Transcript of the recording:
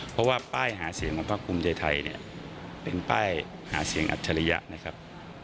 เพราะว่าป้ายหาเสียงพระภูมิใจไทยเป็นป้ายหาเสียงอัพชริยะนะครับ